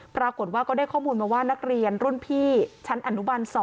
ปรากฏว่าก็ได้ข้อมูลมาว่านักเรียนรุ่นพี่ชั้นอนุบัน๒